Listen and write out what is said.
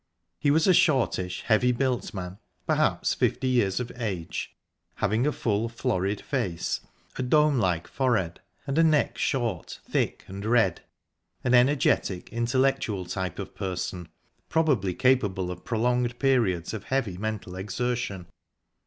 He was a shortish, heavily built man, perhaps fifty years of age, having a full, florid face, a dome like forehead, and a neck short, thick and red an energetic, intellectual type of person, probably capable of prolonged periods of heavy mental exertion.